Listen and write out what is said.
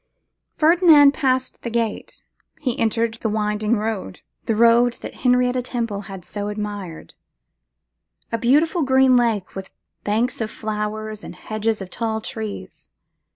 Ferdinand passed the gate; he entered the winding road, the road that Henrietta Temple had so admired; a beautiful green lane with banks of flowers and hedges of tall trees.